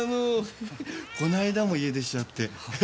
この間も家出しちゃって。